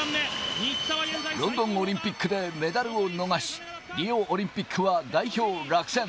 ロンドンオリンピックでメダルを逃し、リオオリンピックは代表落選。